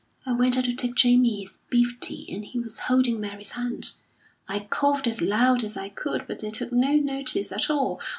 "I went out to take Jamie his beef tea, and he was holding Mary's hand. I coughed as loud as I could, but they took no notice at all.